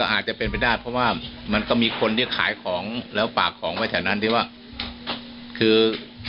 อาจจะเป็นประทายที่เขาอาจจะควรให้ย้ายออก